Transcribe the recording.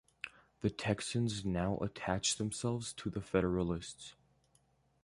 The Texans now attached themselves to the Federalists.